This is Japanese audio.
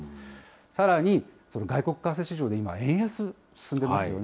さらに、外国為替市場で今、円安進んでますよね。